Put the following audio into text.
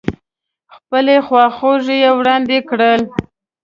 خپلې خواخوږۍ يې واړندې کړې.